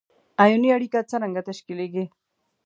آیوني اړیکه څرنګه تشکیلیږي؟